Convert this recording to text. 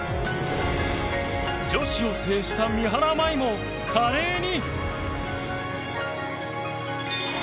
女子を制した三原舞依も華麗に。